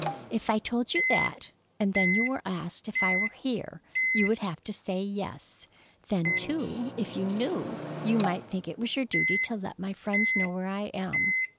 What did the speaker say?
"If I told you that, and then you were asked if I were here, you would have to say yes. Then, too, if you knew, you might think it was your duty to let my friends know where I am.